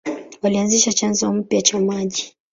Walianzisha chanzo mpya cha maji.